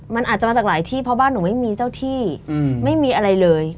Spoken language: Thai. มันอาจจะมาจากหลายที่เพราะบ้านหนูไม่มีเจ้าที่ไม่มีอะไรเลย